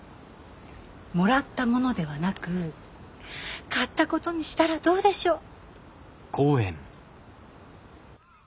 もらったものではなく買ったことにしたらどうでしょう？